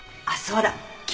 あっそうだ。